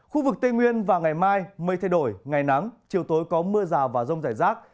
khu vực tây nguyên và ngày mai mây thay đổi ngày nắng chiều tối có mưa rào và rông rải rác